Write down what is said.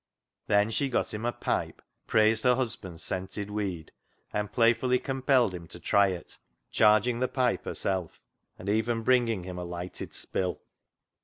Then she got him a pipe, praised her husband's scented weed, and playfully com pelled him to try it, charging the pipe herself, and even bringing him a lighted " spill."